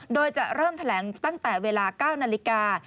โดยจะเริ่มแถลงตั้งแต่เวลา๙นาฬิกา